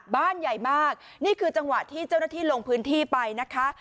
บ้านใหญ่มากนี่คือจังหวะที่เจ้าหน้าที่ลงพื้นที่ไปนะคะ